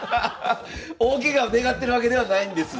大ケガを願ってるわけではないんです。